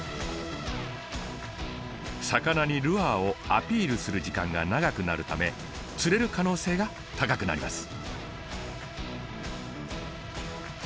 魚にルアーをアピールする時間が長くなるため釣れる可能性が高くなります。